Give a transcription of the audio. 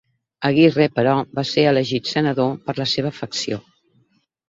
Aguirre, però, va ser elegit Senador per la seva facció.